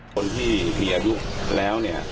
คนที่มีอายุแล้วเนี่ย